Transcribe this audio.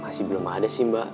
masih belum ada sih mbak